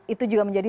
itu juga menjadi